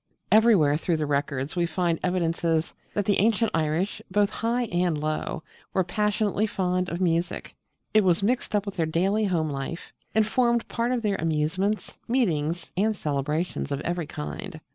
Everywhere through the Records we find evidences that the ancient Irish, both high and low, were passionately fond of music. It was mixed up with their daily home life, and formed part of their amusements, meetings, and celebrations of every kind.